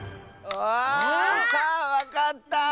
あわかった！